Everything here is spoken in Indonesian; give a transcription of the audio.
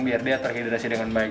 biar dia terhidrasi dengan baik